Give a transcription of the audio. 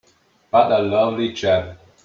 But a lovely chap!